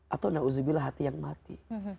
atau na'udzubillah hati yang mati